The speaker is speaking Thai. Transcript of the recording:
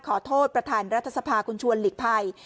ขอโทษประธานรัฐสภาคุณชวนหลีกภัย